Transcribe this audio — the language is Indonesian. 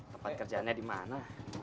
tempat kerjaannya di mana